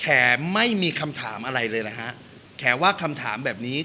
ไม่มีคำถามอะไรเลยนะฮะแถมว่าคำถามแบบนี้